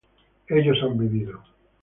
ellos han vivido